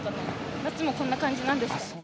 夏もこんな感じなんですかね。